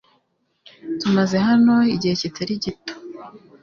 Tumaze hano igihe kitari gito.